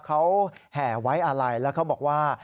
เขาแห่ไว้อะไรแล้วเขาบอกว่า